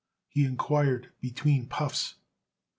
he inquired between puffs.